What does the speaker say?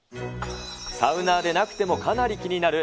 サウナーでなくてもかなり気になる。